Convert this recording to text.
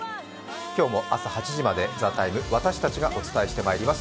今日も朝８時まで「ＴＨＥＴＩＭＥ，」私たちがお伝えしてまいります。